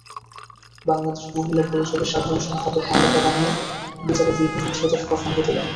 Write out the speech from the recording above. বাংলাদেশ মহিলা পরিষদের সাধারণ সম্পাদক মালেকা বানুও বিচারে দীর্ঘসূত্রতার প্রসঙ্গ তোলেন।